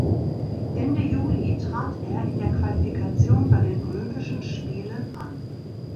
Ende Juli trat er in der Qualifikation bei den Olympischen Spielen an.